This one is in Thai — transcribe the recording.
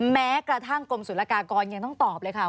แม้กระทั่งกรมศุลกากรยังต้องตอบเลยค่ะ